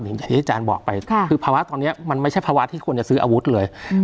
อย่างที่อาจารย์บอกไปค่ะคือภาวะตอนนี้มันไม่ใช่ภาวะที่ควรจะซื้ออาวุธเลย